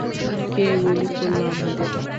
কে গুলি করল আমাদের?